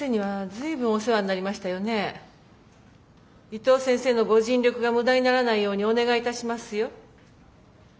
伊藤先生のご尽力が無駄にならないようにお願いいたしますよ。